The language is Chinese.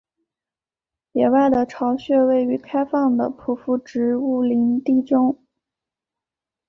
野外的巢穴位于开放的匍匐植物林地中。